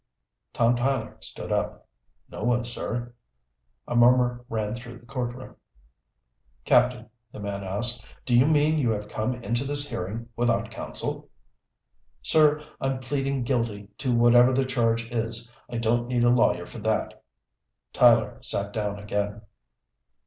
Tom Tyler stood up. "No one, sir." A murmur ran through the courtroom. "Captain," the man asked, "do you mean you have come into this hearing without counsel?" "Sir, I'm pleading guilty to whatever the charge is. I don't need a lawyer for that." Tyler sat down again.